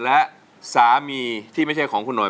และสามีที่ไม่ใช่ของคุณหน่อย